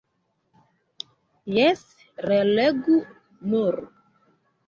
Jes, relegu nur!